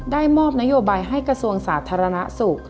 ได้มอบนโยบายให้กระทรวงสาธารณสุข